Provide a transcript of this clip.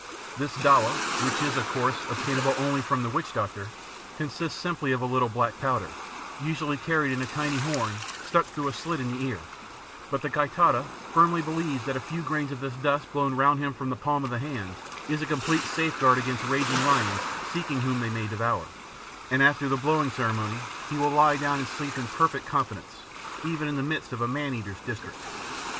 This dawa which is, of course, obtainable only from the witch doctor consists simply of a little black powder, usually carried in a tiny horn stuck through a slit in the ear; but the Ki Taita firmly believes that a few grains of this dust blown round him from the palm of the hand is a complete safeguard against raging lions seeking whom they may devour; and after the blowing ceremony he will lie down to sleep in perfect confidence, even in the midst of a man eater's district.